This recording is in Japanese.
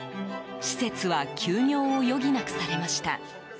施設は休業を余儀なくされました。